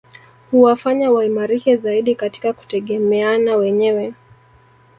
Huwafanya waimarike zaidi katika kutegemeana wenyewe